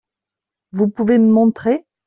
Vous pouvez me montrer ?